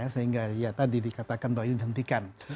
sehingga ya tadi dikatakan bahwa ini dihentikan